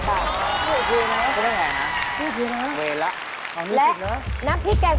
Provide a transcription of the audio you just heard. โอ๊ยเจ๊ดีอ่ะ